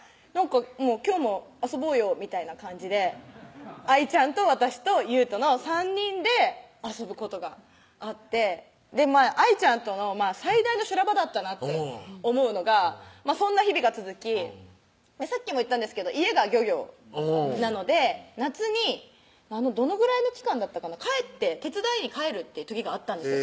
「今日も遊ぼうよ」みたいな感じでＩちゃんと私と祐人の３人で遊ぶことがあってＩちゃんとの最大の修羅場だったなと思うのがそんな日々が続きさっきも言ったんですけど家が漁業なので夏にどのぐらいの期間だったかな手伝いに帰るっていう時があったんですよ